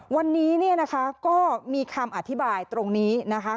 วันนี้เนี่ยนะคะก็มีคำอธิบายตรงนี้นะคะ